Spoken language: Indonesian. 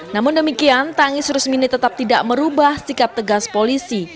namun demikian tangis rusmini tetap tidak merubah sikap tegas polisi